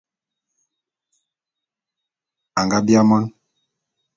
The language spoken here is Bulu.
Anga biaé mon.